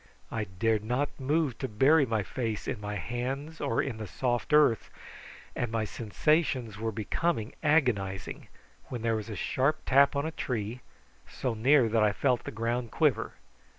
I dared not move to bury my face in my hands or in the soft earth, and my sensations were becoming agonising, when there was a sharp tap on a tree, so near that I felt the ground quiver.